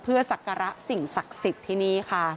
ศักระสิ่งศักดิ์สิทธิ์ที่นี่ค่ะ